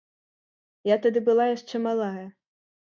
Я тады была яшчэ малая.